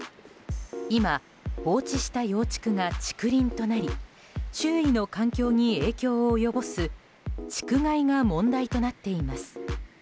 今、放置した幼竹が竹林となり周囲の環境に影響を及ぼす竹害が問題となっています。